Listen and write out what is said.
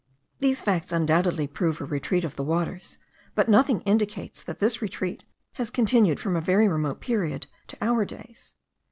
These facts undoubtedly prove a retreat of the waters; but nothing indicates that this retreat has continued from a very remote period to our days.